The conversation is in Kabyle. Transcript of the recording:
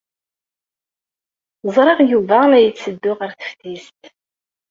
Ẓriɣ Yuba la yetteddu ɣer teftist.